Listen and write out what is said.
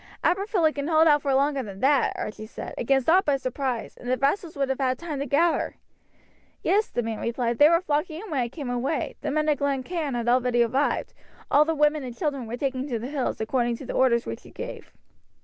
"Aberfilly can hold out for longer than that," Archie said, "against aught but surprise, and the vassals would have had time to gather." "Yes," the man replied, "they were flocking in when I came away; the men of Glen Cairn had already arrived; all the women and children were taking to the hills, according to the orders which you gave."